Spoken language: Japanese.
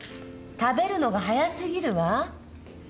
食べるのが早すぎるわ。